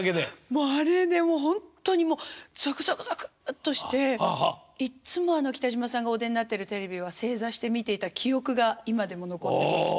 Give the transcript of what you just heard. もうあれでほんとにもうゾクゾクゾクッとしていっつも北島さんがお出になってるテレビは正座して見ていた記憶が今でも残ってます。